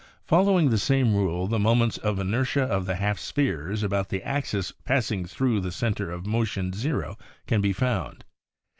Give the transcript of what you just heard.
Following the same rule the moments of inertia of the half spheres about the axis passing thru the center of motion 0 can be found.